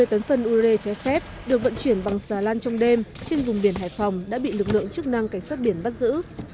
năm mươi tấn phân ure chai phép được vận chuyển bằng xà lan trong đêm trên vùng biển hải phòng đã bị lực lượng chức năng cảnh sát biển bắt giữ